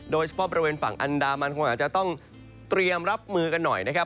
โดยเฉพาะบริเวณฝั่งอันดามันคงอาจจะต้องเตรียมรับมือกันหน่อยนะครับ